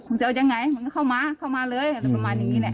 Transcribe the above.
มันจะเอาอย่างไรมันก็เข้ามาเข้ามาเลยประมาณนี้แหละ